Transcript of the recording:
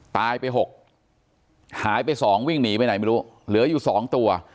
ตายไป๖หายไป๒วิ่งหนีไปไหนไม่รู้เหลืออยู่๒ตัว